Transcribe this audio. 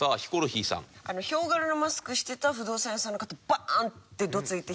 ヒョウ柄のマスクしてた不動産屋さんの方バーンってどついて。